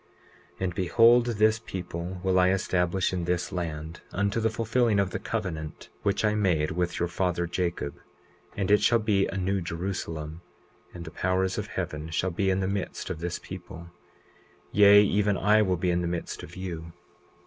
20:22 And behold, this people will I establish in this land, unto the fulfilling of the covenant which I made with your father Jacob; and it shall be a New Jerusalem. And the powers of heaven shall be in the midst of this people; yea, even I will be in the midst of you.